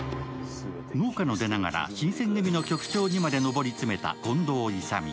農家の出ながら新選組の局長にまで上り詰めた近藤勇。